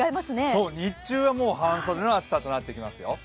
そう、日中は半袖の暑さとなってきますよ。